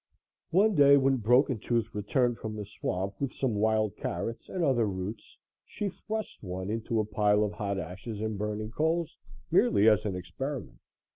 One day when Broken Tooth returned from the swamp with some wild carrots and other roots, she thrust one into a pile of hot ashes and burning coals, merely as an experiment.